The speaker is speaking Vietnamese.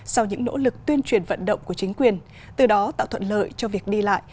sau những nỗ lực tuyên truyền vận động của chính quyền từ đó tạo thuận lợi cho việc đi lại